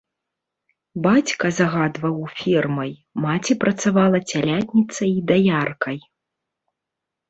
Бацька загадваў фермай, маці працавала цялятніцай і даяркай.